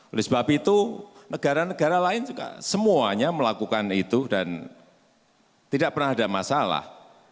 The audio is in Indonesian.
oleh sebab itu negara negara lain juga semuanya melakukan itu dan tidak pernah ada masalah